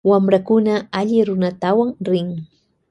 Wamprakuna alli runatawan rin.